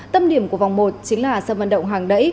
tâm điểm của vòng một chính là sân vận động hàng đẩy